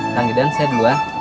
kangidan saya duluan